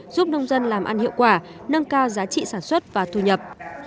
giúp nông dân làm ăn hiệu quả nâng cao giá trị sản xuất và thu nhập